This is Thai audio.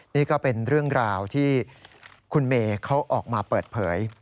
นี่ก็เป็นเรื่องราวที่คุณเมย์เขาออกมาเปิดเผย